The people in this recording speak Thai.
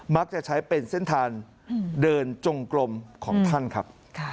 ใช้เป็นเส้นทางเดินจงกลมของท่านครับ